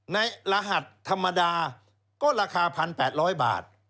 รหัสธรรมดาก็ราคา๑๘๐๐บาท